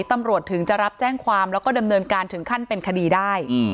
ตำรวจถึงจะรับแจ้งความแล้วก็ดำเนินการถึงขั้นเป็นคดีได้